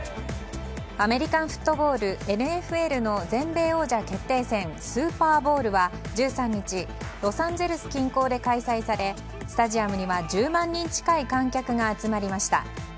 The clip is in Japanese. アメリカンフットボールＮＦＬの全米王者決定戦スーパーボウルは１３日ロサンゼルス近郊で開催されスタジアムには１０万人近い観客が集まりました。